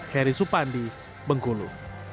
heri supandi bengkulu